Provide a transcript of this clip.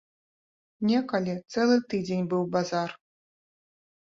Некалі цэлы тыдзень быў базар.